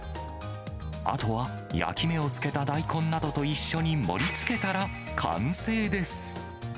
あとは焼き目をつけた大根などと一緒に盛りつけたら完成です。